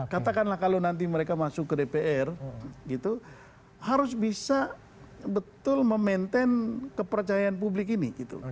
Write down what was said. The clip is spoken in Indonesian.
katakanlah kalau nanti mereka masuk ke dpr gitu harus bisa betul memaintain kepercayaan publik ini